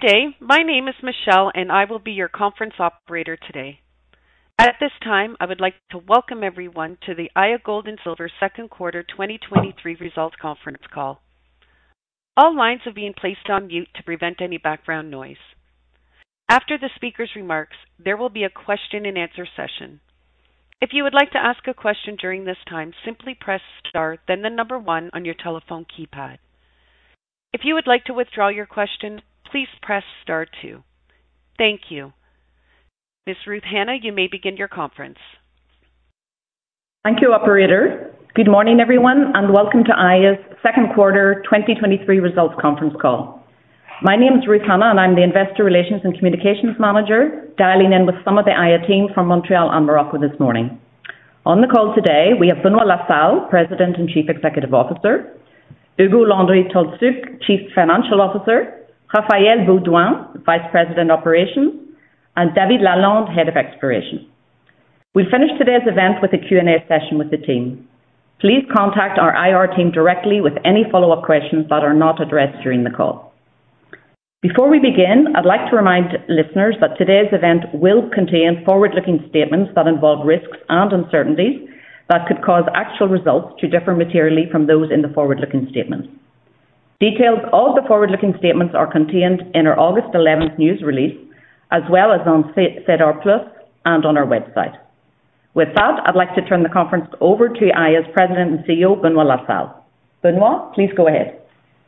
Good day. My name is Michelle, and I will be your conference operator today. At this time, I would like to welcome everyone to the Aya Gold & Silver second quarter 2023 results conference call. All lines are being placed on mute to prevent any background noise. After the speaker's remarks, there will be a question-and-answer session. If you would like to ask a question during this time, simply press star, then the number 1 on your telephone keypad. If you would like to withdraw your question, please press star 2. Thank you. Ms. Ruth Hanna, you may begin your conference. Thank you, operator. Good morning, everyone, and welcome to Aya's second quarter 2023 results conference call. My name is Ruth Hanna, and I'm the Investor Relations and Communications Manager, dialing in with some of the Aya team from Montreal and Morocco this morning. On the call today, we have Benoit La Salle, President and Chief Executive Officer, Ugo Landry-Tolszczuk, Chief Financial Officer, Raphaël Beaudoin, Vice President, Operations, and David Lalonde, Head of Exploration. We'll finish today's event with a Q&A session with the team. Please contact our IR team directly with any follow-up questions that are not addressed during the call. Before we begin, I'd like to remind listeners that today's event will contain forward-looking statements that involve risks and uncertainties that could cause actual results to differ materially from those in the forward-looking statements. Details of the forward-looking statements are contained in our August 11 news release, as well as on SEDAR+ and on our website. With that, I'd like to turn the conference over to Aya's President and CEO, Benoit La Salle. Benoit, please go ahead.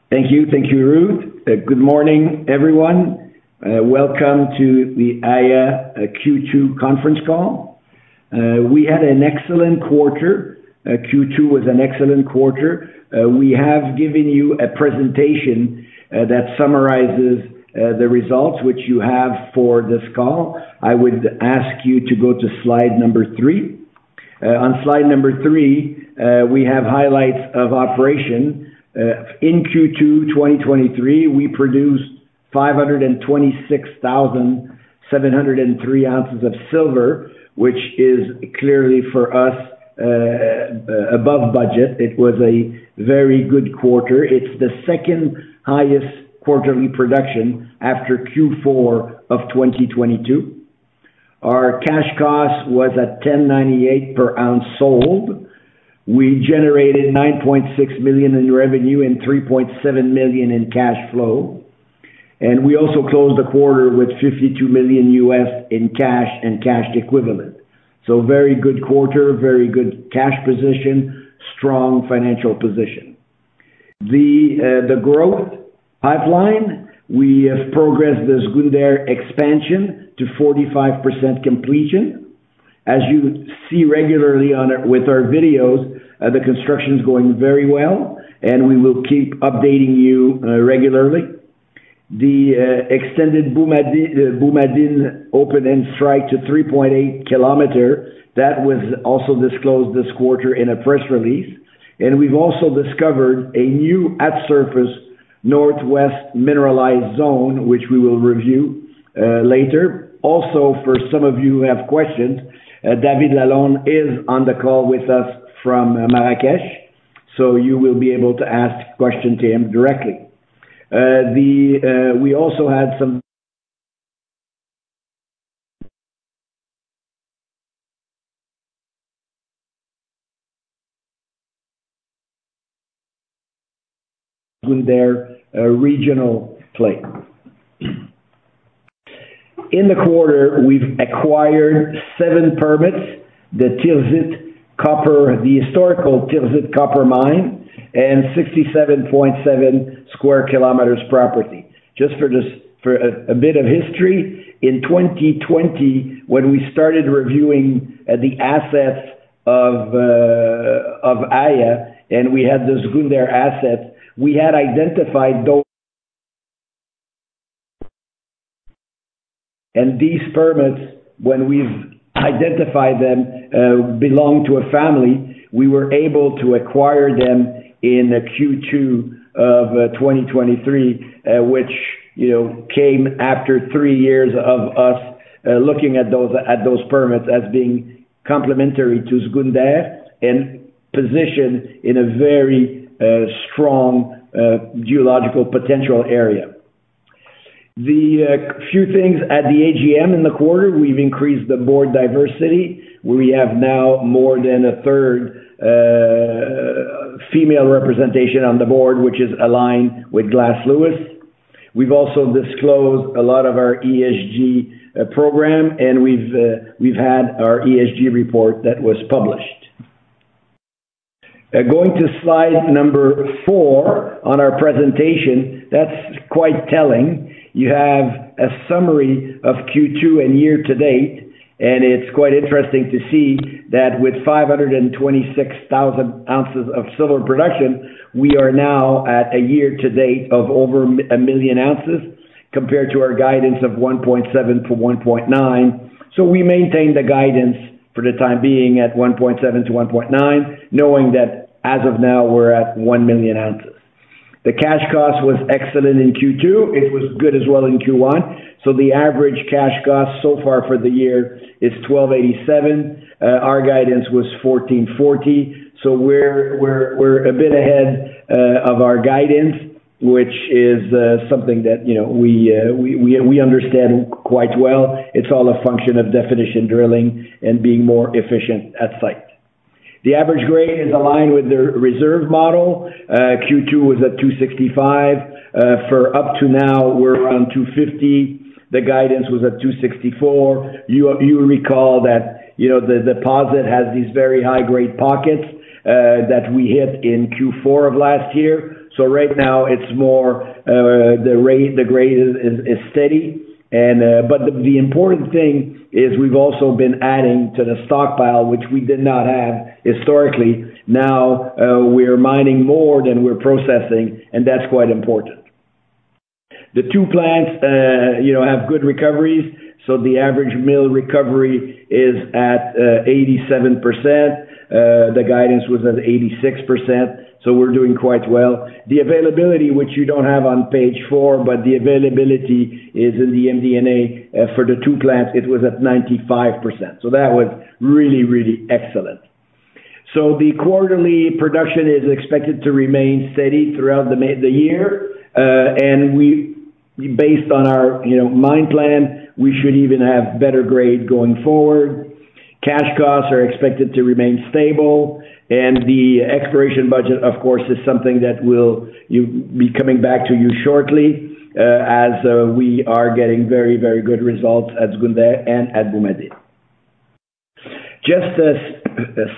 Thank you. Thank you, Ruth. Good morning, everyone. Welcome to the Aya Q2 conference call. We had an excellent quarter. Q2 was an excellent quarter. We have given you a presentation that summarizes the results which you have for this call. I would ask you to go to slide number 3. On slide number 3, we have highlights of operation. In Q2, 2023, we produced 526,703 ounces of silver, which is clearly for us above budget. It was a very good quarter. It's the second highest quarterly production after Q4 of 2022. Our cash cost was at $10.98 per ounce sold. We generated $9.6 million in revenue and $3.7 million in cash flow. We also closed the quarter with $52 million US in cash and cash equivalents. Very good quarter, very good cash position, strong financial position. The growth pipeline, we have progressed the Zgounder expansion to 45% completion. As you see regularly on our, with our videos, the construction is going very well. We will keep updating you regularly. The extended Boumadine, open-end strike to 3.8 kilometers, that was also disclosed this quarter in a press release. We've also discovered a new at surface northwest mineralized zone, which we will review later. Also, for some of you who have questions, David Lalonde is on the call with us from Marrakech. You will be able to ask question to him directly. The, we also had some Zgounder regional play. In the quarter, we've acquired 7 permits, the Tirzit copper, the historical Tirzit copper mine, and 67.7 sq km property. Just for this, for a bit of history, in 2020, when we started reviewing the assets of Aya and we had the Zgounder assets, we had identified those. These permits, when we've identified them, belong to a family. We were able to acquire them in Q2 of 2023, which, you know, came after 3 years of us looking at those, at those permits as being complementary to Zgounder and positioned in a very strong geological potential area. The, few things at the AGM in the quarter, we've increased the board diversity. We have now more than a third female representation on the board, which is aligned with Glass Lewis. We've also disclosed a lot of our ESG program, and we've had our ESG report that was published. Going to slide number four on our presentation, that's quite telling. You have a summary of Q2 and year to date. It's quite interesting to see that with 526,000 ounces of silver production, we are now at a year to date of over 1 million ounces, compared to our guidance of 1.7 million ounces-1.9 million ounces. We maintain the guidance for the time being at 1.7 million ounces-1.9 million ounces, knowing that as of now, we're at 1 million ounces. The cash cost was excellent in Q2. It was good as well in Q1. The average cash cost so far for the year is $12.87. Our guidance was $14.40. We're, we're, we're a bit ahead of our guidance, which is something that, you know, we, we understand quite well. It's all a function of definition drilling and being more efficient at site. The average grade is aligned with the reserve model. Q2 was at 265. For up to now, we're around 250. The guidance was at 264. You, you recall that, you know, the deposit has these very high-grade pockets that we hit in Q4 of last year. Right now it's more, the rate, the grade is, is, is steady. But the, the important thing is we've also been adding to the stockpile, which we did not have historically. We're mining more than we're processing, and that's quite important. The two plants, you know, have good recoveries, so the average mill recovery is at 87%. The guidance was at 86%, so we're doing quite well. The availability, which you don't have on page four, but the availability is in the MD&A. For the two plants, it was at 95%, so that was really, really excellent. The quarterly production is expected to remain steady throughout the year. And we, based on our, you know, mine plan, we should even have better grade going forward. Cash costs are expected to remain stable, and the exploration budget, of course, is something that we'll, you, be coming back to you shortly, as we are getting very, very good results at Gouda and at Boumadi. Just,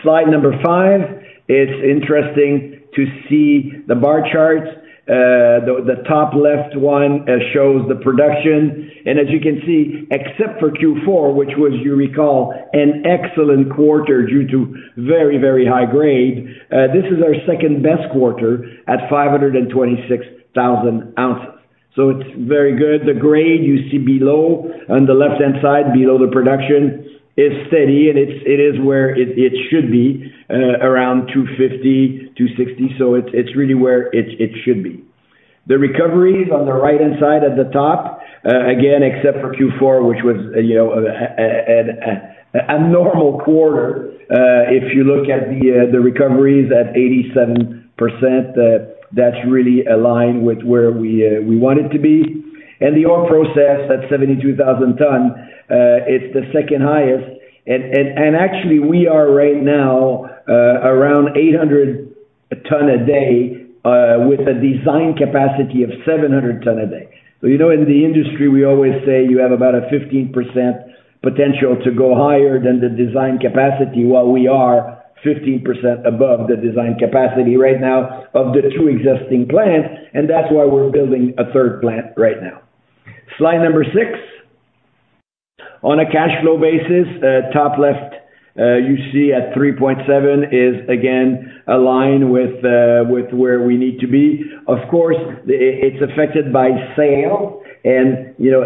slide number 5, it's interesting to see the bar charts. The top left one shows the production, and as you can see, except for Q4, which was, you recall, an excellent quarter due to very, very high grade, this is our second-best quarter at 526,000 ounces, so it's very good. The grade you see below, on the left-hand side, below the production, is steady, and it's, it is where it, it should be, around 250, 260. It's, it's really where it, it should be. The recoveries on the right-hand side at the top, again, except for Q4, which was, you know, a normal quarter. If you look at the recoveries at 87%, that's really aligned with where we want it to be. The ore process, that's 72,000 ton, it's the second highest. Actually, we are right now around 800 ton a day with a design capacity of 700 ton a day. You know, in the industry, we always say you have about a 15% potential to go higher than the design capacity, while we are 15% above the design capacity right now of the two existing plants, and that's why we're building a third plant right now. Slide number six. On a cash flow basis, top left, you see at 3.7 is again aligned with where we need to be. Of course, it's affected by sale and, you know,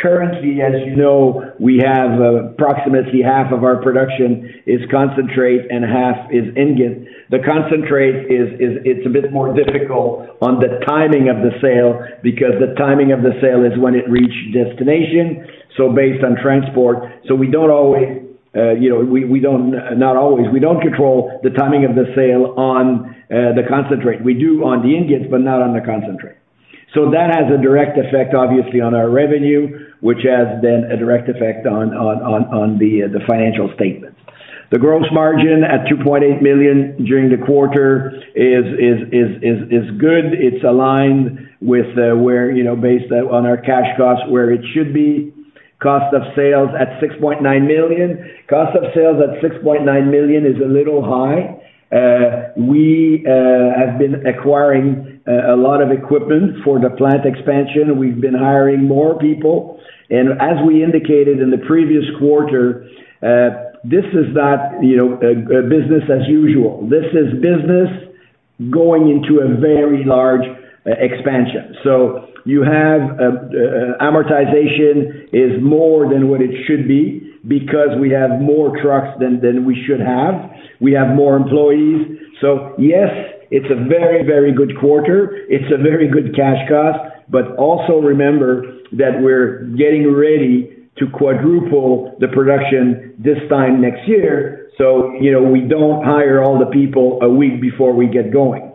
currently, as you know, we have approximately half of our production is concentrate and half is ingot. The concentrate is, it's a bit more difficult on the timing of the sale because the timing of the sale is when it reach destination, so based on transport. We don't always, you know, we, we don't, not always, we don't control the timing of the sale on the concentrate. We do on the ingots, but not on the concentrate. That has a direct effect, obviously, on our revenue, which has then a direct effect on, on, on, on the financial statements. The gross margin at $2.8 million during the quarter is good. It's aligned with where, you know, based on our cash costs, where it should be. Cost of sales at $6.9 million. Cost of sales at $6.9 million is a little high. We have been acquiring a lot of equipment for the plant expansion. We've been hiring more people. As we indicated in the previous quarter, this is not, you know, a business as usual. This is business going into a very large expansion. You have amortization is more than what it should be because we have more trucks than we should have. We have more employees. Yes, it's a very, very good quarter. It's a very good cash cost, but also remember that we're getting ready to quadruple the production this time next year. You know, we don't hire all the people a week before we get going.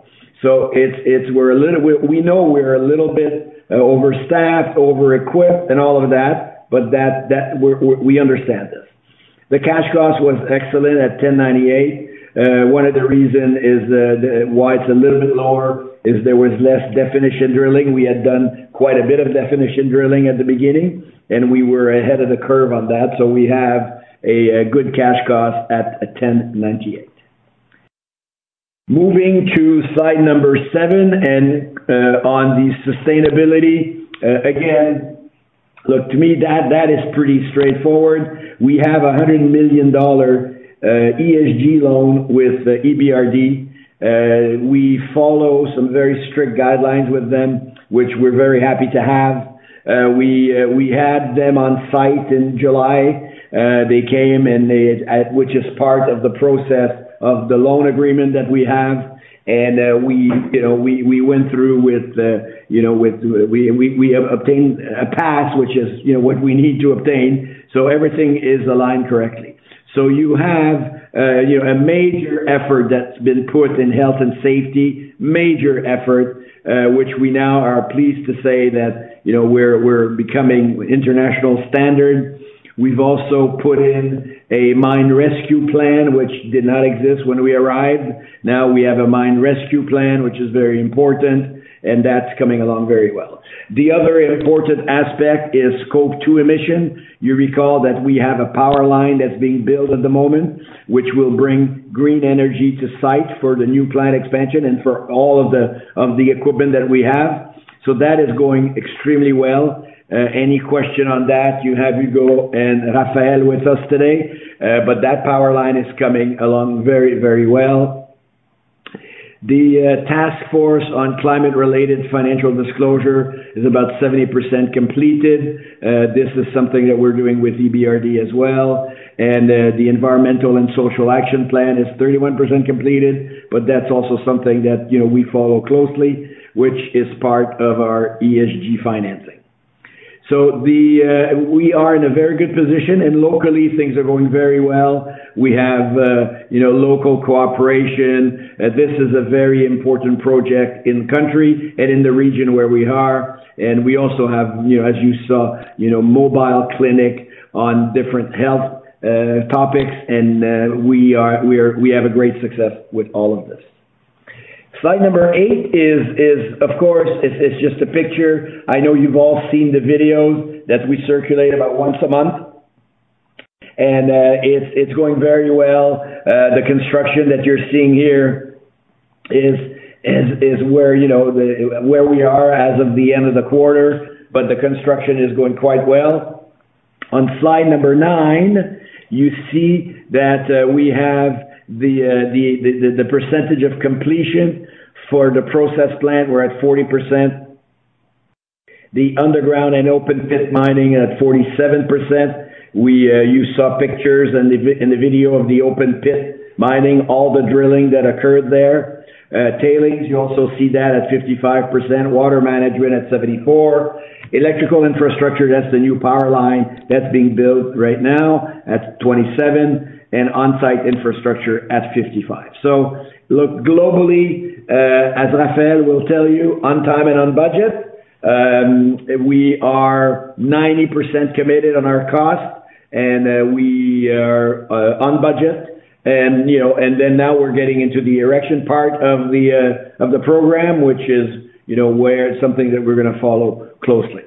It's we're a little bit, we know we're a little bit overstaffed, over equipped and all of that, but that, that, we're, we, we understand this. The cash cost was excellent at $10.98. One of the reason why it's a little bit lower is there was less definition drilling. We had done quite a bit of definition drilling at the beginning, and we were ahead of the curve on that, so we have a good cash cost at $10.98. Moving to slide 7, on the sustainability, again, look, to me, that, that is pretty straightforward. We have a $100 million ESG loan with EBRD. We follow some very strict guidelines with them, which we're very happy to have. We had them on site in July. They came, and they, which is part of the process of the loan agreement that we have. We, you know, we, we went through with, you know, with, we, we, we have obtained a pass, which is, you know, what we need to obtain, so everything is aligned correctly. You have, you know, a major effort that's been put in health and safety, major effort, which we now are pleased to say that, you know, we're, we're becoming international standard. We've also put in a mine rescue plan, which did not exist when we arrived. Now we have a mine rescue plan, which is very important, and that's coming along very well. The other important aspect is Scope 2 emissions. You recall that we have a power line that's being built at the moment, which will bring green energy to site for the new plant expansion and for all of the, of the equipment that we have. That is going extremely well. Any question on that, you have Ugo and Raphaël with us today, but that power line is coming along very, very well. The Task Force on Climate-Related Financial Disclosure is about 70% completed. This is something that we're doing with EBRD as well, and the Environmental and Social Action Plan is 31% completed, but that's also something that, you know, we follow closely, which is part of our ESG financing. We are in a very good position, and locally, things are going very well. We have, you know, local cooperation, and this is a very important project in the country and in the region where we are. We also have, you know, as you saw, you know, mobile clinic on different health topics, and we are, we have a great success with all of this. Slide number 8 is, is, of course, it's, it's just a picture. I know you've all seen the video that we circulate about once a month, and it's going very well. The construction that you're seeing here is, is, is where, you know, the, where we are as of the end of the quarter, but the construction is going quite well. On slide number 9, you see that we have the, the, the, the percentage of completion. For the process plant, we're at 40%. The underground and open pit mining at 47%. We, you saw pictures in the video of the open pit mining, all the drilling that occurred there. Tailings, you also see that at 55%, water management at 74, electrical infrastructure, that's the new power line that's being built right now, at 27, and on-site infrastructure at 55. Look, globally, as Raphaël will tell you, on time and on budget, we are 90% committed on our cost, we are on budget and, you know, and then now we're getting into the erection part of the program, which is, you know, where something that we're gonna follow closely.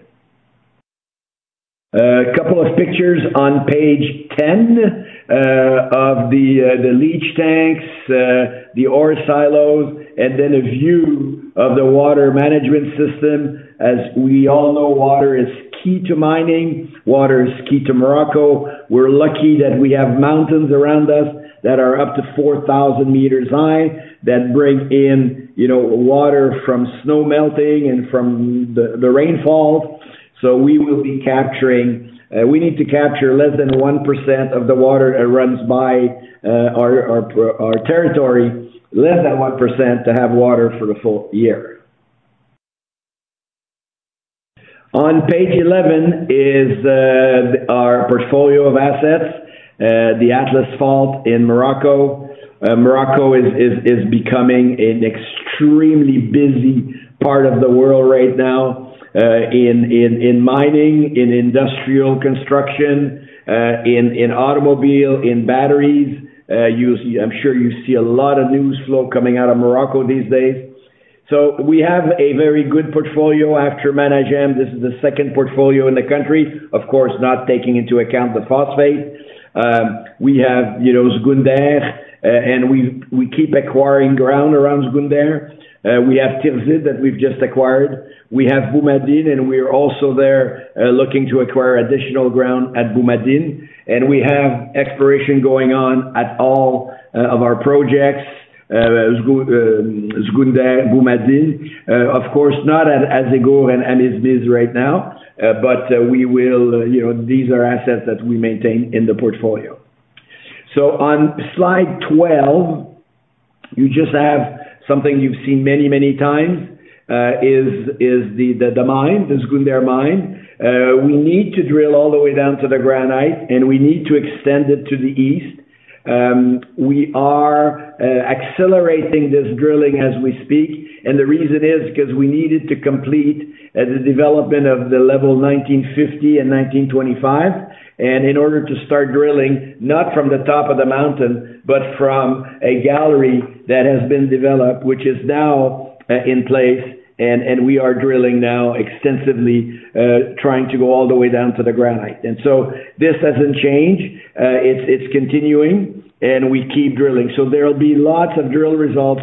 A couple of pictures on page 10 of the leach tanks, the ore silos, and then a view of the water management system. As we all know, water is key to mining. Water is key to Morocco. We're lucky that we have mountains around us that are up to 4,000 meters high, that bring in, you know, water from snow melting and from the rainfall. We will be capturing. We need to capture less than 1% of the water that runs by our territory, less than 1%, to have water for the full year. On page 11 is our portfolio of assets, the Atlas fault in Morocco. Morocco is becoming an extremely busy part of the world right now, in mining, in industrial construction, in automobile, in batteries. You'll see I'm sure you see a lot of news flow coming out of Morocco these days. We have a very good portfolio after Managem. This is the second portfolio in the country, of course, not taking into account the phosphate. We have, you know, Zgounder, and we, we keep acquiring ground around Zgounder. We have Tijirit that we've just acquired. We have Boumadine, and we're also there, looking to acquire additional ground at Boumadine, and we have exploration going on at all of our projects. Zgounder, Boumadine, of course, not at Azegour and Amizmiz right now, but we will. You know, these are assets that we maintain in the portfolio. On slide 12, you just have something you've seen many, many times, is, is the, the, the mine, the Zgounder mine. We need to drill all the way down to the granite, and we need to extend it to the east. We are accelerating this drilling as we speak, and the reason is because we needed to complete the development of the level 1950 and 1925, in order to start drilling, not from the top of the mountain, but from a gallery that has been developed, which is now in place, and we are drilling now extensively, trying to go all the way down to the granite. So this hasn't changed. It's continuing, and we keep drilling. So there will be lots of drill results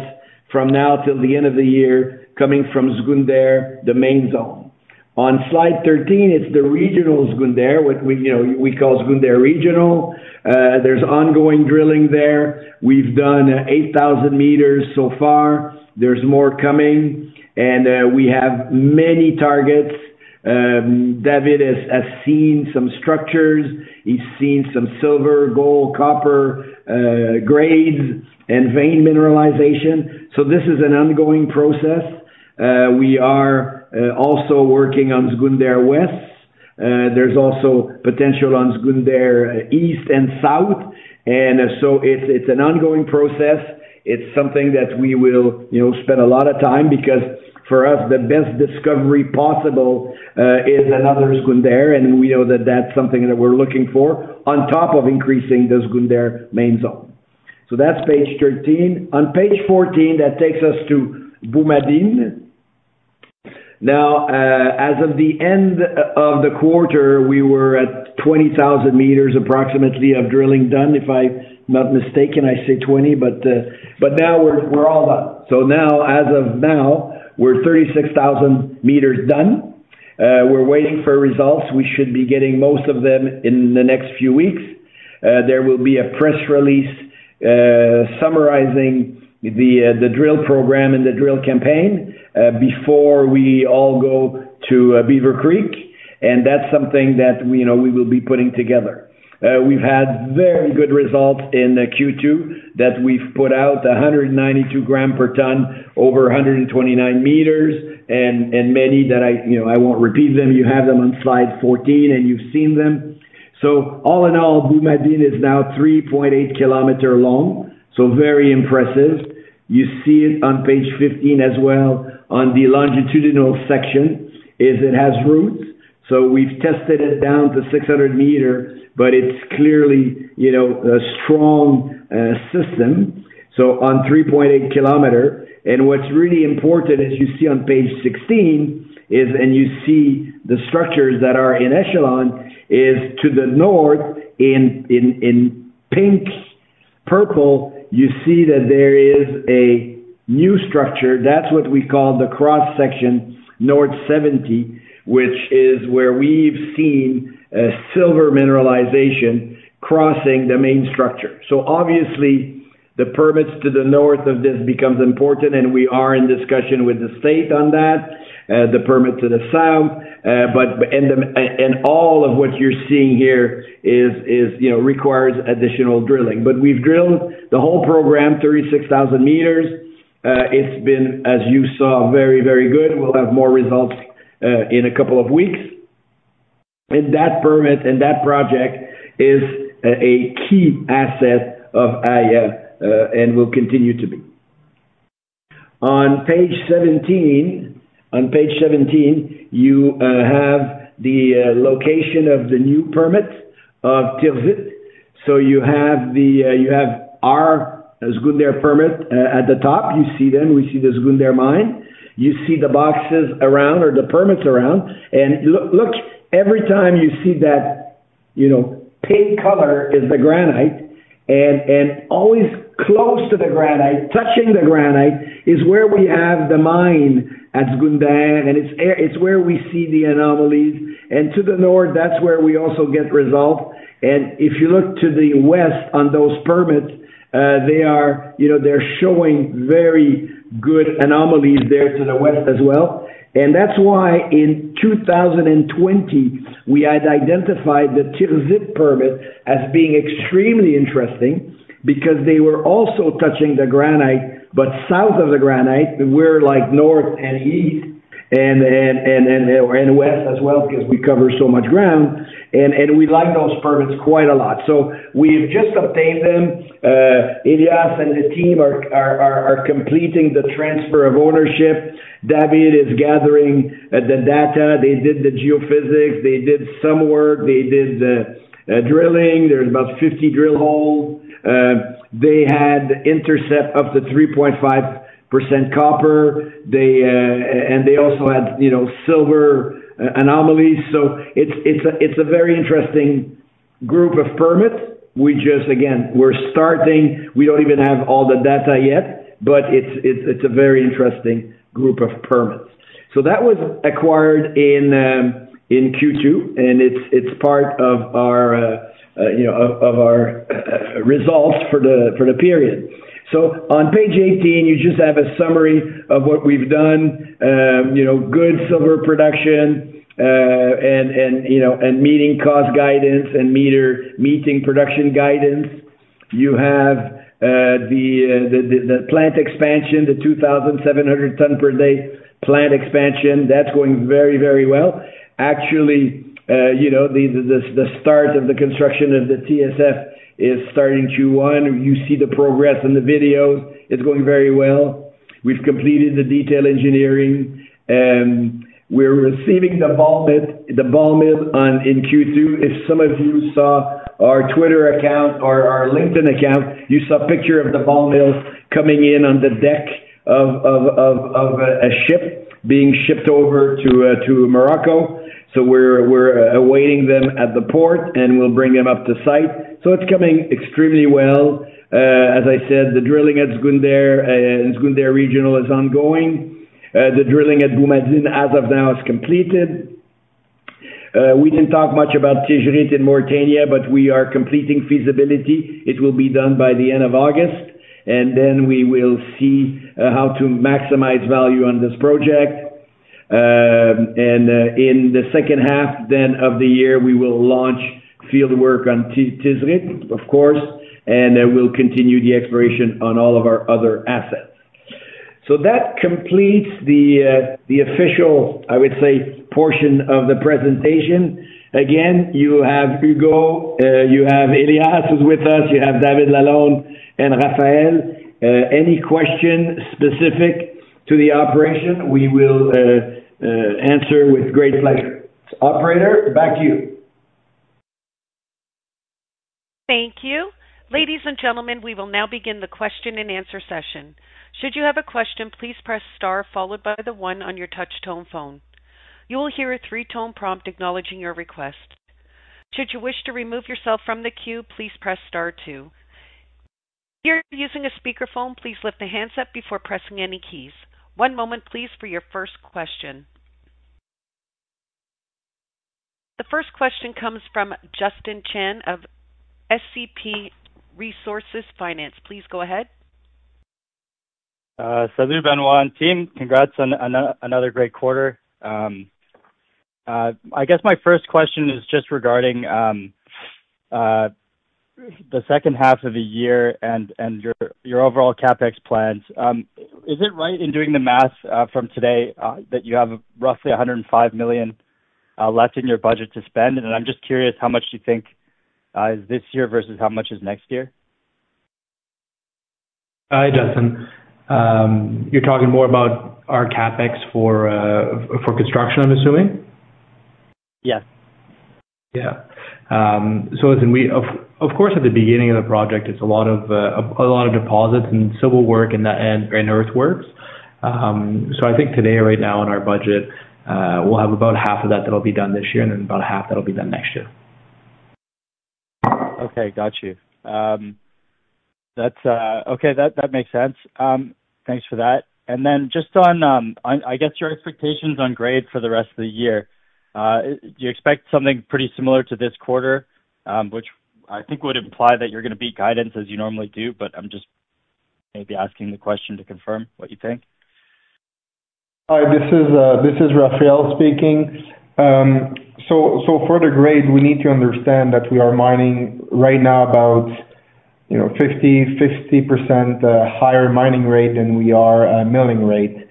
from now till the end of the year coming from Zgounder, the main zone. On slide 13, it's the regional Zgounder, what we, you know, we call Zgounder Regional. There's ongoing drilling there. We've done 8,000 meters so far. There's more coming, and we have many targets. David has, has seen some structures. He's seen some silver, gold, copper, grades and vein mineralization. This is an ongoing process. We are also working on Zgounder West. There's also potential on Zgounder East and south, it's, it's an ongoing process. It's something that we will, you know, spend a lot of time, because for us, the best discovery possible, is another Zgounder, we know that that's something that we're looking for, on top of increasing the Zgounder main zone. That's page 13. On page 14, that takes us to Boumadine. Now, as of the end of, of the quarter, we were at 20,000 meters, approximately, of drilling done, if I'm not mistaken, I say 20, but now we're, we're all done. Now, as of now, we're 36,000 meters done. We're waiting for results. We should be getting most of them in the next few weeks. There will be a press release summarizing the drill program and the drill campaign before we all go to Beaver Creek, and that's something that, we know, we will be putting together. We've had very good results in the Q2, that we've put out 192 gram per ton over 129 meters, and many that I, you know, I won't repeat them. You have them on slide 14, you've seen them. All in all, Boumadine is now 3.8 kilometer long, very impressive. You see it on page 15 as well. On the longitudinal section, is it has roots, so we've tested it down to 600 meters, but it's clearly, you know, a strong system, so on 3.8 kilometers. What's really important, as you see on page 16, is, and you see the structures that are in echelon, is to the north in pink, purple, you see that there is a new structure. That's what we call the Cross-section North 70, which is where we've seen a silver mineralization crossing the main structure. Obviously, the permits to the north of this becomes important, and we are in discussion with the state on that, the permit to the south. And all of what you're seeing here is, is, you know, requires additional drilling. We've drilled the whole program, 36,000 meters. It's been, as you saw, very, very good. We'll have more results in a couple of weeks. That permit and that project is a, a key asset of Aief and will continue to be. On page 17, on page 17, you have the location of the new permits of Tirzit. You have the, you have our Zgounder permit at the top. You see them, we see the Zgounder mine. You see the boxes around or the permits around, and look, look, every time you see that, you know, pink color is the granite, and always close to the granite, touching the granite, is where we have the mine at Zgounder, and it's where we see the anomalies. To the north, that's where we also get results. If you look to the west on those permits, you know, they're showing very good anomalies there to the west as well. That's why in 2020, we had identified the Tirzit permit as being extremely interesting because they were also touching the granite, but south of the granite, we're like north and east and west as well, because we cover so much ground, and we like those permits quite a lot. We've just obtained them. Elias and the team are completing the transfer of ownership. David is gathering the data. They did the geophysics, they did some work, they did the drilling. There's about 50 drill holes. They had intercept up to 3.5% copper. They and they also had, you know, silver anomalies. It's, it's a, it's a very interesting group of permits. We just again, we're starting, we don't even have all the data yet, but it's, it's, it's a very interesting group of permits. That was acquired in Q2, and it's, it's part of our, you know, of, of our, results for the, for the period. On page 18, you just have a summary of what we've done. You know, good silver production, and, and, you know, and meeting cost guidance and meeting production guidance. You have the, the, the, the plant expansion, the 2,700 ton per day plant expansion. That's going very, very well. Actually, you know, the, the, the start of the construction of the TSF is starting Q1. You see the progress in the videos. It's going very well. We've completed the detail engineering, and we're receiving the ball mill, the ball mill on in Q2. If some of you saw our Twitter account or our LinkedIn account, you saw a picture of the ball mill coming in on the deck of a ship being shipped over to Morocco. We're awaiting them at the port, and we'll bring them up to site. It's coming extremely well. As I said, the drilling at Zgounder, Zgounder Regional is ongoing. The drilling at Boumadine, as of now, is completed. We didn't talk much about Tichitt in Mauritania, but we are completing feasibility. It will be done by the end of August, and then we will see how to maximize value on this project. In the second half then of the year, we will launch field work on Tirzit, of course, and we'll continue the exploration on all of our other assets. That completes the official, I would say, portion of the presentation. Again, you have Ugo, you have Elias, who's with us, you have David Lalonde and Raphaël. Any question specific to the operation, we will answer with great pleasure. Operator, back to you. Thank you. Ladies and gentlemen, we will now begin the question and answer session. Should you have a question, please press star followed by the one on your touch tone phone. You will hear a three-tone prompt acknowledging your request. Should you wish to remove yourself from the queue, please press star two. If you're using a speakerphone, please lift the handset before pressing any keys. One moment, please, for your first question. The first question comes from Justin Chan of SCP Resource Finance. Please go ahead. Benoit team, congrats on another great quarter. I guess my first question is just regarding the second half of the year and your overall CapEx plans. Is it right in doing the math from today that you have roughly $105 million left in your budget to spend? I'm just curious how much do you think is this year versus how much is next year? Hi, Justin. You're talking more about our CapEx for, for construction, I'm assuming? Yes. Yeah. Listen, we of course, at the beginning of the project, it's a lot of a lot of deposits and civil work and that, and earthworks. I think today, right now in our budget, we'll have about half of that, that'll be done this year, and then about half that'll be done next year. Okay, got you. That's... Okay, that, that makes sense. Thanks for that. Then just on, I, I guess, your expectations on grade for the rest of the year, do you expect something pretty similar to this quarter? Which I think would imply that you're going to beat guidance as you normally do, but I'm just maybe asking the question to confirm what you think. Hi, this is Raphaël speaking. For the grade, we need to understand that we are mining right now about, you know, 50, 50% higher mining rate than we are milling rate.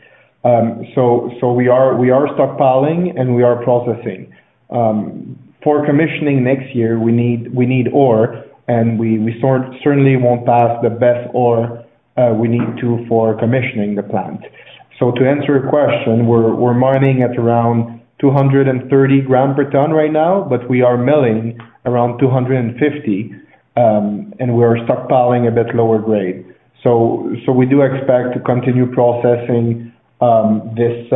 We are, we are stockpiling and we are processing. For commissioning next year, we need, we need ore, and we certainly won't pass the best ore, we need to for commissioning the plant. To answer your question, we're, we're mining at around 230 gram per ton right now, but we are milling around 250, and we are stockpiling a bit lower grade. We do expect to continue processing this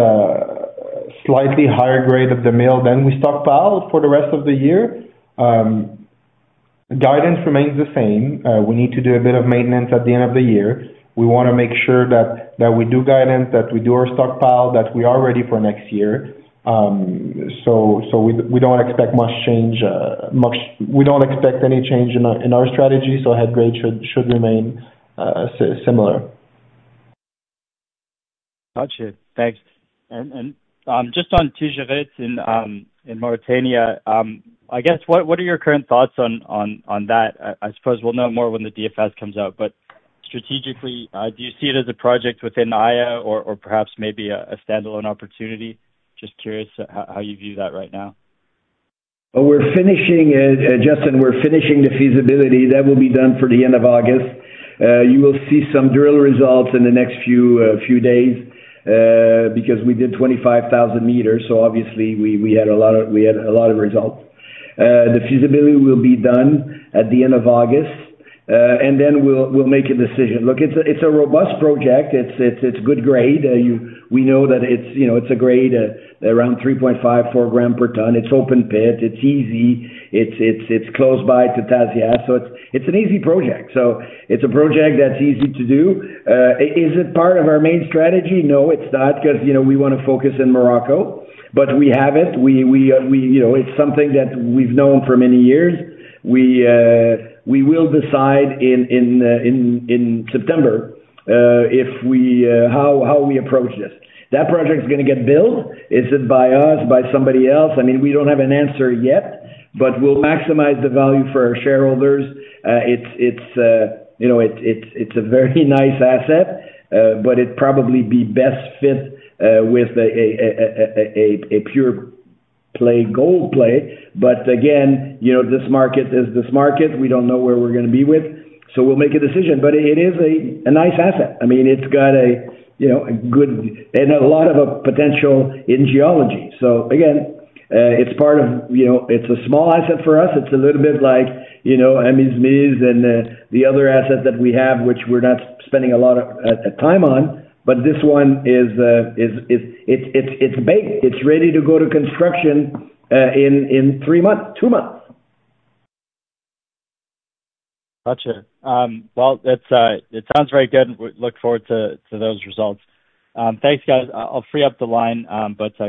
slightly higher grade of the mill than we stockpile for the rest of the year. Guidance remains the same. We need to do a bit of maintenance at the end of the year. We want to make sure that, that we do guidance, that we do our stockpile, that we are ready for next year. We, we don't expect much change, we don't expect any change in our, in our strategy, so head grade should, should remain, similar. Got you. Thanks. Just on Tijirit in Mauritania, I guess, what, what are your current thoughts on, on, on that? I, I suppose we'll know more when the DFS comes out, but strategically, do you see it as a project within Aya or, or perhaps maybe a, a standalone opportunity? Just curious how, how you view that right now. Well, we're finishing it, Justin, we're finishing the feasibility. That will be done for the end of August. You will see some drill results in the next few, few days, because we did 25,000 meters, so obviously, we, we had a lot of, we had a lot of results. The feasibility will be done at the end of August, then we'll, we'll make a decision. Look, it's a, it's a robust project. It's, it's, it's good grade. We know that it's, you know, it's a grade, around 3.5, 4 gram per ton. It's open pit, it's easy, it's, it's, it's close by to Tasiast, so it's, it's an easy project. It's a project that's easy to do. Is it part of our main strategy? No, it's not, because, you know, we want to focus in Morocco, but we have it. We, we, we, you know, it's something that we've known for many years. We, we will decide in, in, in, in September, if we, how, how we approach this. That project is gonna get built. Is it by us, by somebody else? I mean, we don't have an answer yet, but we'll maximize the value for our shareholders. It's, it's, you know, it's, it's, it's a very nice asset, but it'd probably be best fit with a, a, a, a, a, a pure play gold play. Again, you know, this market is this market. We don't know where we're going to be with, we'll make a decision. It is a, a nice asset. I mean, it's got a, you know, a good and a lot of a potential in geology. Again, it's part of, you know, it's a small asset for us. It's a little bit like, you know, Amizmiz and the other assets that we have, which we're not spending a lot of time on, but this one, it's baked. It's ready to go to construction, in three months, two months. Gotcha. Well, that's, it sounds very good. We look forward to, to those results. Thanks, guys. I'll, I'll free up the line.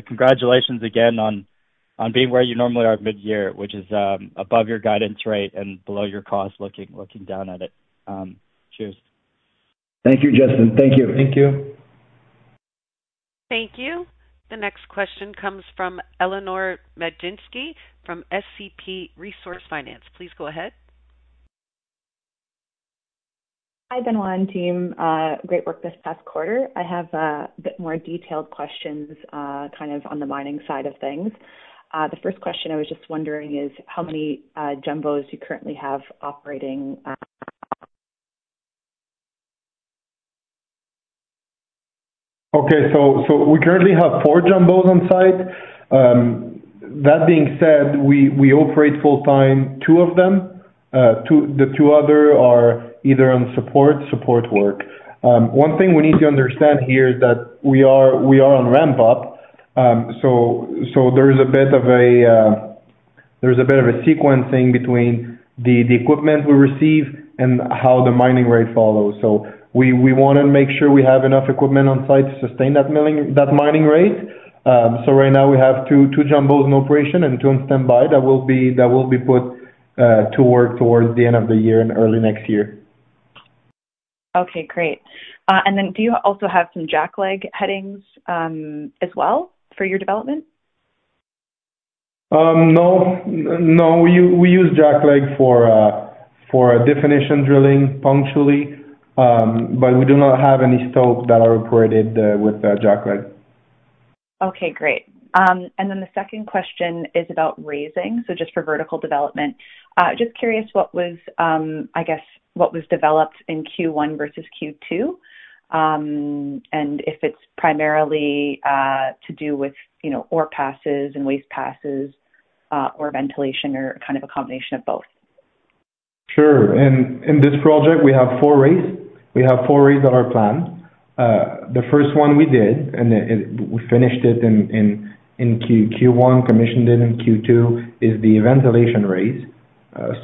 Congratulations again on, on being where you normally are mid-year, which is, above your guidance rate and below your cost, looking, looking down at it. Cheers. Thank you, Justin. Thank you. Thank you. Thank you. The next question comes from Eleanor Magdzinski from SCP Resource Finance. Please go ahead. Hi, Benoit and team. Great work this past quarter. I have a bit more detailed questions, kind of, on the mining side of things. The first question I was just wondering is, how many jumbos do you currently have operating? Okay. So we currently have 4 jumbos on site. That being said, we, we operate full-time, 2 of them. The 2 other are either on support, support work. One thing we need to understand here is that we are, we are on ramp-up, so, so there is a bit of a, there's a bit of a sequencing between the, the equipment we receive and how the mining rate follows. We, we want to make sure we have enough equipment on site to sustain that milling, that mining rate. Right now we have 2, 2 jumbos in operation and 2 on standby that will be, that will be put to work towards the end of the year and early next year. Okay, great. Do you also have some jackleg headings as well for your development? No. No, we use jackleg for definition drilling punctually, but we do not have any stopes that are operated with jackleg. Okay, great. The second question is about raising, so just for vertical development. Just curious what was, I guess, what was developed in Q1 versus Q2, and if it's primarily to do with, you know, ore passes and waste passes, or ventilation or kind of a combination of both? Sure. In this project, we have four raises. We have four raises on our plan. The first one we did, and we finished it in Q1, commissioned it in Q2, is the ventilation raise.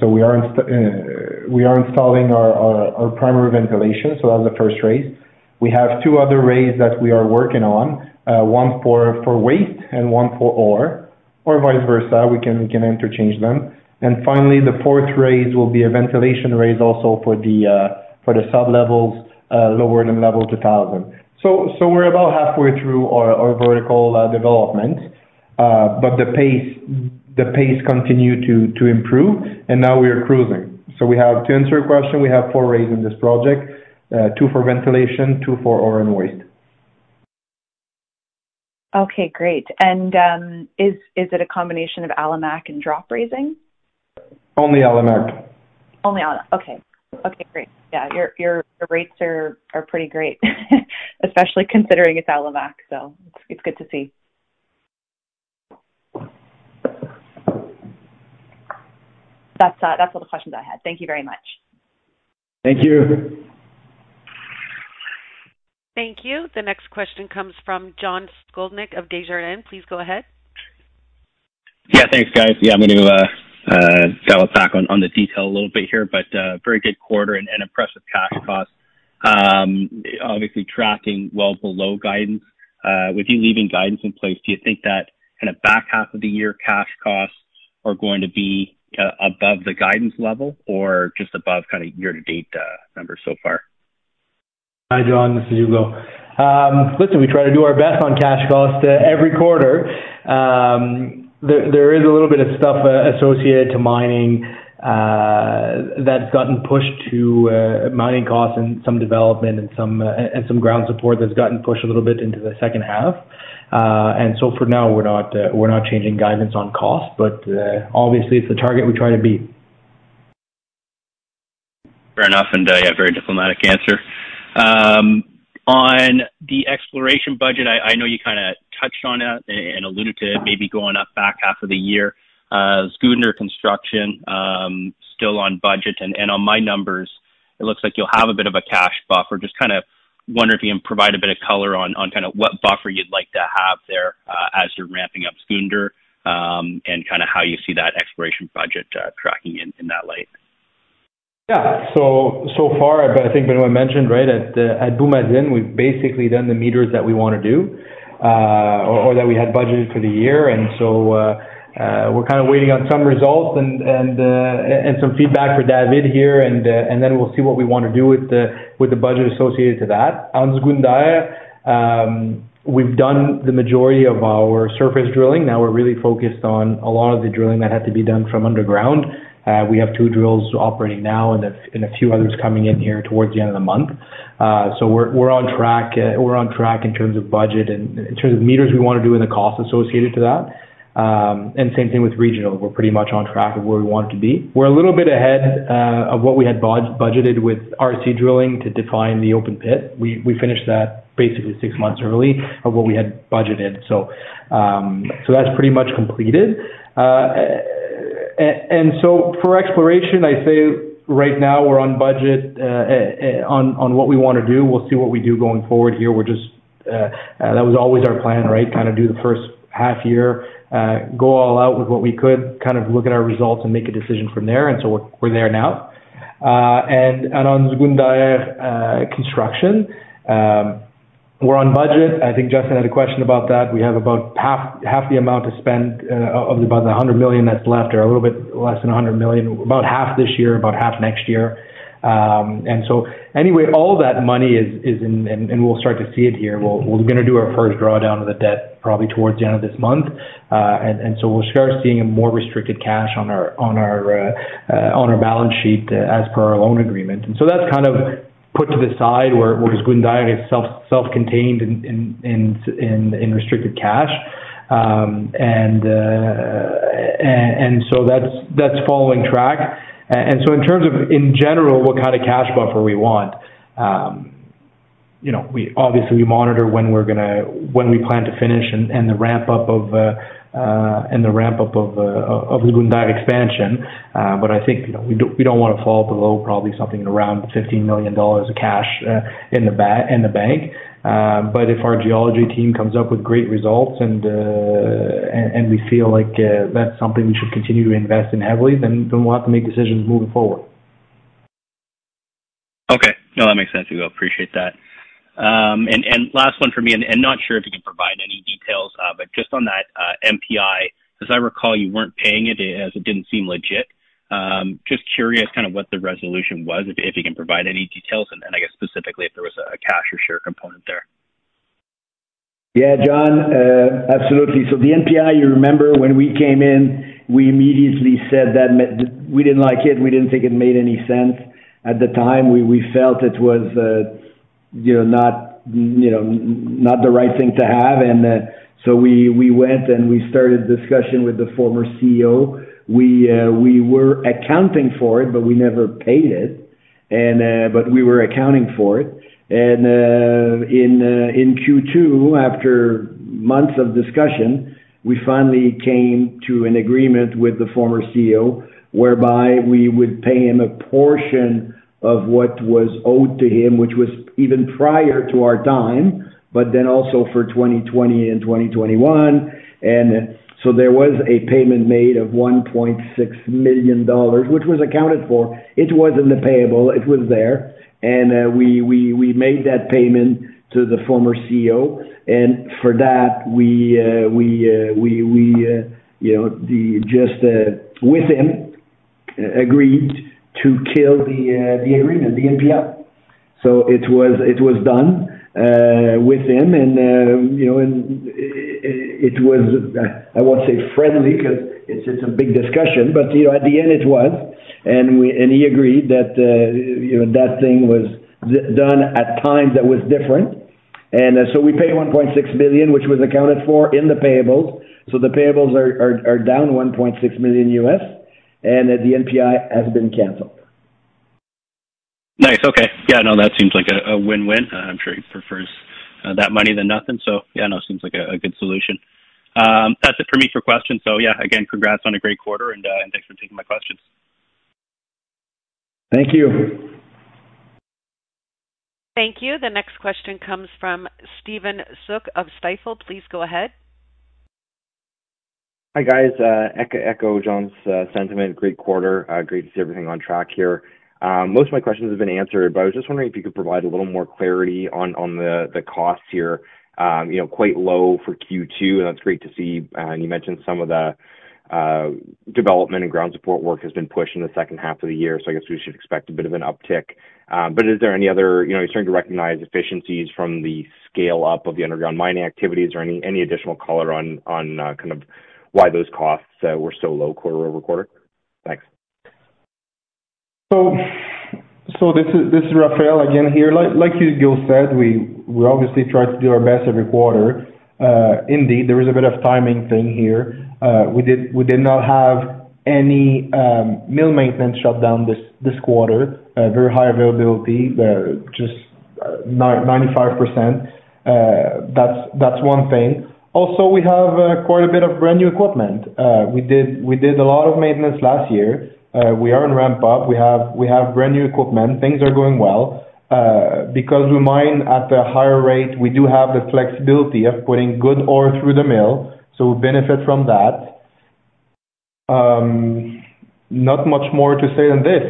We are installing our primary ventilation, so that was the first raise. We have two other raises that we are working on, one for waste and one for ore, or vice versa. We can interchange them. Finally, the fourth raise will be a ventilation raise also for the sub-levels, lower than level 2,000. We're about halfway through our vertical development, but the pace continue to improve, and now we are cruising. We have, to answer your question, we have 4 raises in this project, 2 for ventilation, 2 for ore and waste. Okay, great. Is it a combination of Alimak and drop raising? Only Alimak. Okay. Okay, great. Yeah, your, your rates are, are pretty great, especially considering it's Alimak, so it's, it's good to see. That's all the questions I had. Thank you very much. Thank you. Thank you. The next question comes from John Sclodnick of Desjardins. Please go ahead. Yeah, thanks, guys. Yeah, I'm going to dial it back on the detail a little bit here, but very good quarter and impressive cash costs. Obviously tracking well below guidance. With you leaving guidance in place, do you think that in a back half of the year, cash costs are going to be above the guidance level or just above kind of year-to-date numbers so far? Hi, John, this is Ugo. Listen, we try to do our best on cash costs every quarter. There, there is a little bit of stuff associated to mining that's gotten pushed to mining costs and some development and some and some ground support that's gotten pushed a little bit into the second half. For now, we're not changing guidance on cost, but obviously, it's the target we try to beat. Fair enough, yeah, very diplomatic answer. On the exploration budget, I, I know you kinda touched on it and alluded to it, maybe going up back half of the year. Zgounder construction, still on budget and, and on my numbers, it looks like you'll have a bit of a cash buffer. Just kind of wonder if you can provide a bit of color on, on kind of what buffer you'd like to have there, as you're ramping up Zgounder, and kind of how you see that exploration budget tracking in, in that light. Yeah. So far, I think Benoit mentioned, right, at Bouma-Unis, we've basically done the meters that we want to do, or that we had budgeted for the year. So, we're kind of waiting on some results and, and some feedback for David here, and then we'll see what we want to do with the budget associated to that. On Zgounder, we've done the majority of our surface drilling. Now, we're really focused on a lot of the drilling that had to be done from underground. We have two drills operating now and a few others coming in here towards the end of the month. We're, we're on track, we're on track in terms of budget and in terms of meters we want to do and the cost associated to that. Same thing with regional. We're pretty much on track of where we want it to be. We're a little bit ahead of what we had budgeted with RC drilling to define the open pit. We, we finished that basically 6 months early of what we had budgeted. That's pretty much completed. For exploration, I'd say right now we're on budget, on what we want to do. We'll see what we do going forward here. We're just, that was always our plan, right? Kind of do the first half year, go all out with what we could, kind of look at our results and make a decision from there, and so we're, we're there now. And on Zgounder, construction. We're on budget. I think Justin had a question about that. We have about half, half the amount to spend, about the 100 million that's left, or a little bit less than 100 million. About half this year, about half next year. All that money is, is in, and we'll start to see it here. We'll, we're gonna do our first draw down of the debt, probably towards the end of this month. We'll start seeing a more restricted cash on our, on our, on our balance sheet as per our loan agreement. That's kind of put to the side, where Zgounder is self, self-contained in, in, in, in, in restricted cash. That's, that's following track. In terms of, in general, what kind of cash buffer we want, you know, we obviously we monitor when we plan to finish and, and the ramp up of, and the ramp up of Zgounder expansion. You know, we do, we don't want to fall below probably something around $15 million of cash in the bank. If our geology team comes up with great results and, and we feel like that's something we should continue to invest in heavily, then, then we'll have to make decisions moving forward. Okay. No, that makes sense to me. I appreciate that. Last one for me. Not sure if you can provide any details, just on that NPI, as I recall, you weren't paying it as it didn't seem legit. Just curious kind of what the resolution was, if, if you can provide any details. Then I guess specifically, if there was a, a cash or share component there? Yeah, John, absolutely. The NPI, you remember when we came in, we immediately said that we didn't like it, we didn't think it made any sense at the time. We, we felt it was, you know, not, you know, not the right thing to have. We, we went and we started discussion with the former CEO. We, we were accounting for it, but we never paid it, but we were accounting for it. In Q2, after months of discussion, we finally came to an agreement with the former CEO, whereby we would pay him a portion of what was owed to him, which was even prior to our time, but then also for 2020 and 2021. There was a payment made of $1.6 million, which was accounted for. It was in the payable, it was there. We, we, we made that payment to the former CEO, and for that, we, we, we, you know, just with him, agreed to kill the agreement, the NPI. It was, it was done with him, and, you know, it was, I won't say friendly, because it's, it's a big discussion, but, you know, at the end, it was. We, and he agreed that, you know, that thing was done at times that was different. So we paid $1.6 million, which was accounted for in the payables. The payables are, are, are down $1.6 million, and the NPI has been canceled. Nice. Okay. Yeah, no, that seems like a, a win-win. I'm sure he prefers that money than nothing. Yeah, I know, seems like a, a good solution. That's it for me for questions. Yeah, again, congrats on a great quarter and thanks for taking my questions. Thank you. Thank you. The next question comes from Stephen Soock of Stifel. Please go ahead. Hi, guys. Echo, echo John's sentiment. Great quarter. Great to see everything on track here. Most of my questions have been answered, but I was just wondering if you could provide a little more clarity on the costs here. You know, quite low for Q2, and that's great to see. And you mentioned some of the development and ground support work has been pushed in the second half of the year, so I guess we should expect a bit of an uptick. But is there any other, you know, you're starting to recognize efficiencies from the scale-up of the underground mining activities or any, any additional color on kind of why those costs were so low quarter over quarter? Thanks. This is Raphaël again here. Like you, Gil said, we obviously try to do our best every quarter. Indeed, there is a bit of timing thing here. We did not have any mill maintenance shutdown this quarter. Very high availability, just 95%. That's one thing. Also, we have quite a bit of brand-new equipment. We did a lot of maintenance last year. We are on ramp-up. We have brand-new equipment. Things are going well. Because we mine at a higher rate, we do have the flexibility of putting good ore through the mill, we benefit from that. Not much more to say than this.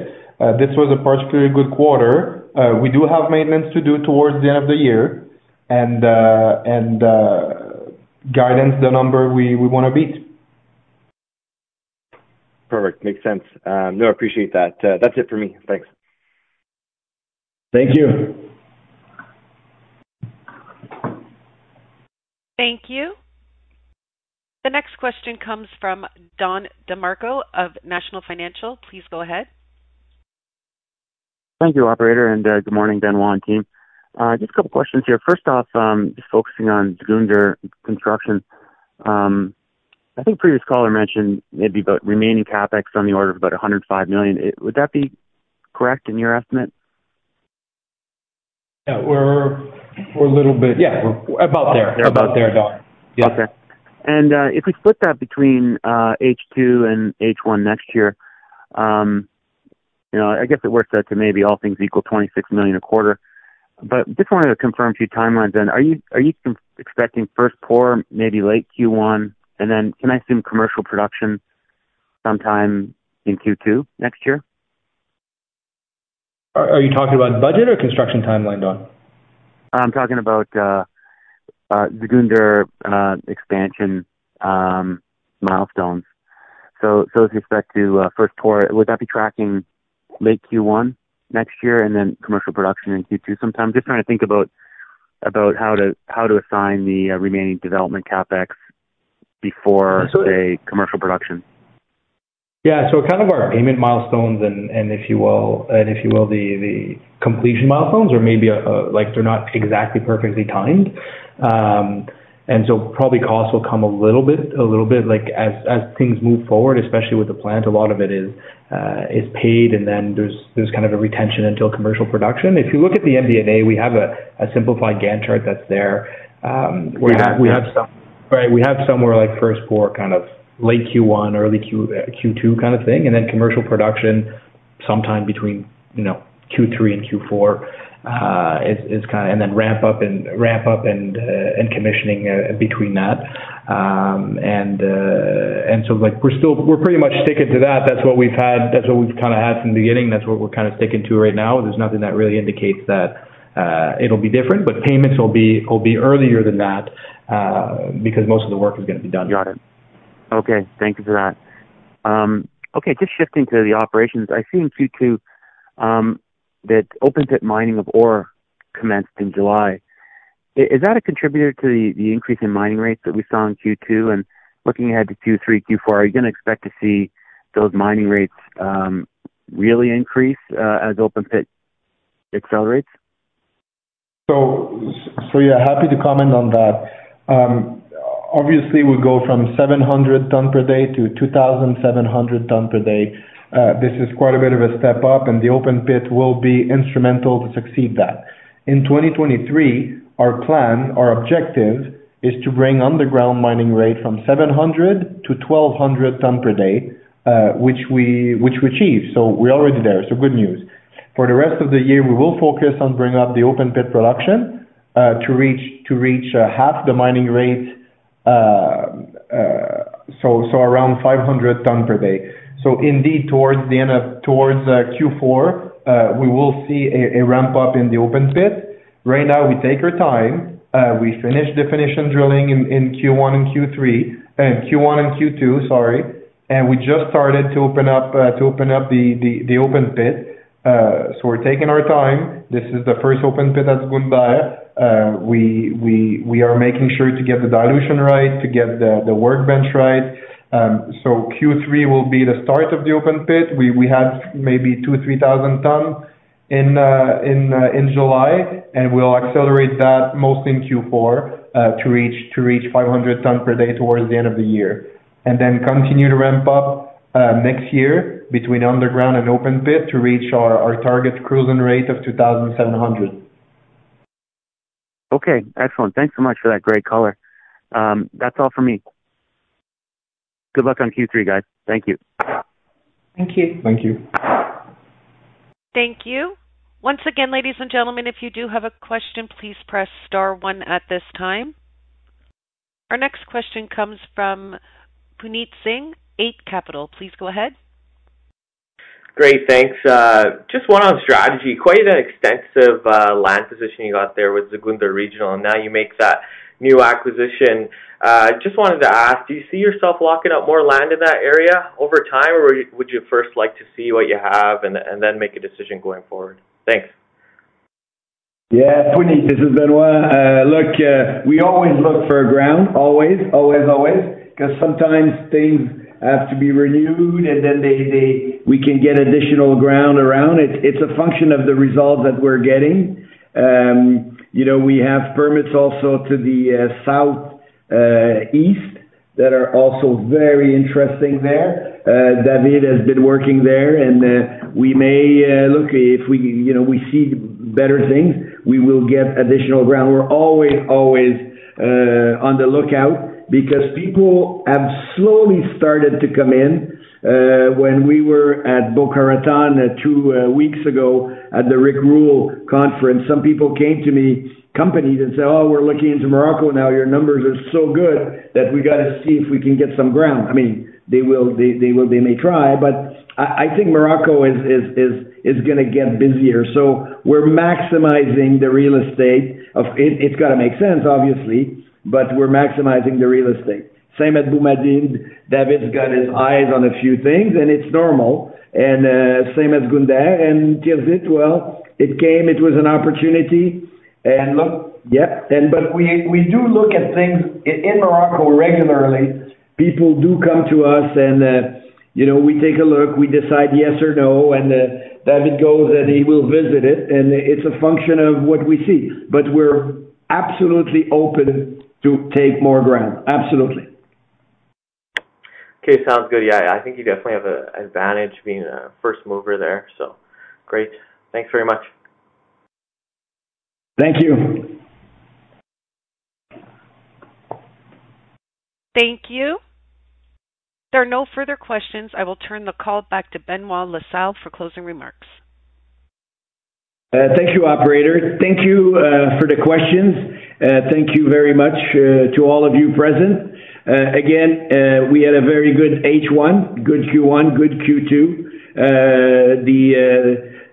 This was a particularly good quarter. We do have maintenance to do towards the end of the year and guidance, the number we, we wanna beat. Perfect. Makes sense. No, I appreciate that. That's it for me. Thanks. Thank you. Thank you. The next question comes from Don DeMarco of National Bank Financial. Please go ahead. Thank you, operator, and good morning, Benoit team. Just a couple questions here. First off, just focusing on Zgounder construction. I think previous caller mentioned maybe about remaining CapEx on the order of about $105 million. Would that be correct in your estimate? Yeah, we're, we're a little bit. Yeah, about there. About there, Don. Okay. If we split that between H2 and H1 next year, you know, I guess it works out to maybe all things equal, $26 million a quarter. Just wanted to confirm a few timelines then. Are you expecting first pour, maybe late Q1, and then can I assume commercial production sometime in Q2 next year? Are, are you talking about budget or construction timeline, Don? I'm talking about the Zgounder expansion milestones. With respect to Q1, would that be tracking late Q1 next year, and then commercial production in Q2 sometime? Just trying to think about how to assign the remaining development CapEx before a commercial production. Yeah. Kind of our payment milestones and, and if you will, and if you will, the, the completion milestones or maybe, like, they're not exactly perfectly timed. Probably costs will come a little bit, a little bit like as, as things move forward, especially with the plant, a lot of it is, is paid, and then there's, there's kind of a retention until commercial production. If you look at the MD&A, we have a, a simplified Gantt chart that's there. Yeah. We have some... Right, we have somewhere like first quarter, kind of late Q1, early Q2 kind of thing, and then commercial production sometime between, you know, Q3 and Q4, is kind... And then ramp up and commissioning between that. Like, we're still, we're pretty much sticking to that. That's what we've had, that's what we've kind of had from the beginning. That's what we're kind of sticking to right now. There's nothing that really indicates that it'll be different, but payments will be earlier than that, because most of the work is gonna be done. Got it. Okay, thank you for that. Okay, just shifting to the operations. I see in Q2, that open pit mining of ore commenced in July. Is, is that a contributor to the, the increase in mining rates that we saw in Q2? Looking ahead to Q3, Q4, are you going to expect to see those mining rates, really increase, as open pit accelerates? Yeah, happy to comment on that. Obviously, we go from 700 ton per day to 2,700 ton per day. This is quite a bit of a step up, and the open pit will be instrumental to succeed that. In 2023, our plan, our objective, is to bring underground mining rate from 700 to 1,200 ton per day, which we achieved, so we're already there. Good news. For the rest of the year, we will focus on bringing up the open pit production to reach, to reach half the mining rate, so around 500 ton per day. Indeed, towards the end of, towards Q4, we will see a ramp up in the open pit. Right now, we take our time. We finish definition drilling in Q1 and Q3, Q1 and Q2, sorry, we just started to open up to open up the open pit. We're taking our time. This is the first open pit at Gounda. We are making sure to get the dilution right, to get the workbench right. Q3 will be the start of the open pit. We had maybe 2,000-3,000 tons in July, we'll accelerate that mostly in Q4 to reach, to reach 500 tons per day towards the end of the year. Continue to ramp up next year between underground and open pit to reach our target cruising rate of 2,700. Okay, excellent. Thanks so much for that great color. That's all for me. Good luck on Q3, guys. Thank you. Thank you. Thank you. Thank you. Once again, ladies and gentlemen, if you do have a question, please press star one at this time. Our next question comes from Puneet Singh, Eight Capital. Please go ahead. Great. Thanks. Just one on strategy. Quite an extensive land position you got there with the Zgounder Regional, and now you make that new acquisition. Just wanted to ask, do you see yourself locking up more land in that area over time, or would you first like to see what you have and then make a decision going forward? Thanks. Yeah, Puneet, this is Benoit. Look, we always look for ground. Always, always, always, because sometimes things have to be renewed, and then we can get additional ground around it. It's a function of the results that we're getting. You know, we have permits also to the south, east, that are also very interesting there. David has been working there, and we may look, if we, you know, we see better things, we will get additional ground. We're always, always on the lookout because people have slowly started to come in. When we were at Boca Raton, 2 weeks ago at the Rick Rule conference, some people came to me, companies, and said, "Oh, we're looking into Morocco now. Your numbers are so good that we got to see if we can get some ground." I mean, they will, they, they will, they may try, but I, I think Morocco is, is, is, is gonna get busier. We're maximizing the real estate of... It's got to make sense, obviously, but we're maximizing the real estate. Same at Boumadine. David's got his eyes on a few things, and it's normal, and same as Gounda and Tirzit, well, it came, it was an opportunity, and look, yeah, and but we do look at things in Morocco regularly. People do come to us, and you know, we take a look, we decide yes or no, David goes and he will visit it, and it's a function of what we see. We're absolutely open to take more ground. Absolutely. Okay. Sounds good. Yeah, I think you definitely have an advantage being a first mover there, so great. Thanks very much. Thank you. Thank you. If there are no further questions, I will turn the call back to Benoit La Salle for closing remarks. Thank you, operator. Thank you for the questions. Thank you very much to all of you present. Again, we had a very good H1, good Q1, good Q2.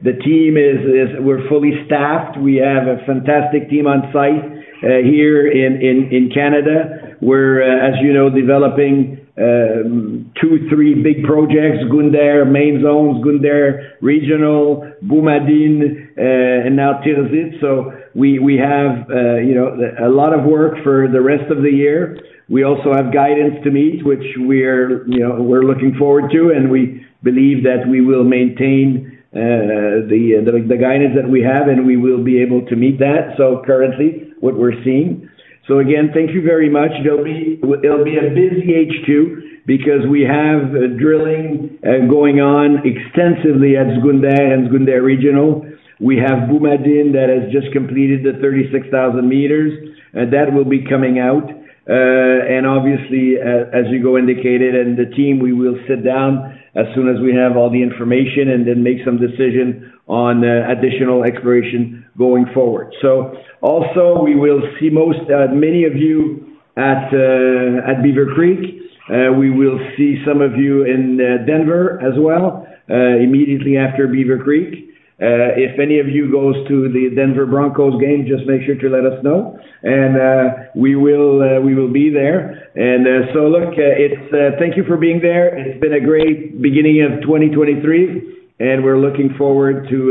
The team is, is, we're fully staffed. We have a fantastic team on site, here in, in, in Canada. We're, as you know, developing, two, three big projects, Gounda, main zones, Gounda, Regional, Boumadine, and now Tirzit. We, we have, you know, a lot of work for the rest of the year. We also have guidance to meet, which we're, you know, we're looking forward to, and we believe that we will maintain the guidance that we have, and we will be able to meet that. Currently, what we're seeing. Again, thank you very much. It'll be, it'll be a busy H2, because we have drilling going on extensively at Gounda and Gounda Regional. We have Boumadine, that has just completed the 36,000 meters, and that will be coming out. Obviously, as Ugo indicated, and the team, we will sit down as soon as we have all the information and then make some decision on additional exploration going forward. Also, we will see most, many of you at Beaver Creek. We will see some of you in Denver as well, immediately after Beaver Creek. If any of you goes to the Denver Broncos game, just make sure to let us know, we will be there. Look, it's thank you for being there. It's been a great beginning of 2023, we're looking forward to.